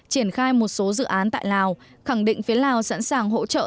triển khai một số dự án tại lào khẳng định phía lào sẵn sàng hỗ trợ